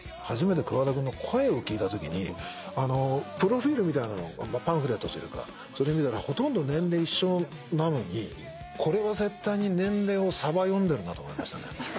初めて桑田君の声を聞いたときにあのプロフィルみたいなのパンフレットというかそれ見たらほとんど年齢一緒なのにこれは絶対に年齢をさば読んでるなと思いましたね。